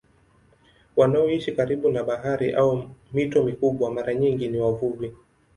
Wanaoishi karibu na bahari au mito mikubwa mara nyingi ni wavuvi.